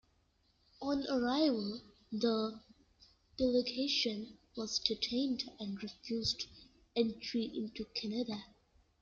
On arrival the delegation was detained and refused entry into Canada.